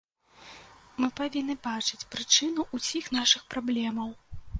Мы павінны бачыць прычыну ўсіх нашых праблемаў.